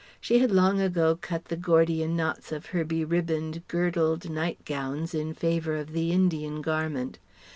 She had long ago cut the Gordian knots of her be ribboned, girdled night gowns in favour of the Indian garment.